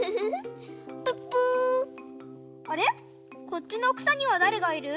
こっちのくさにはだれがいる？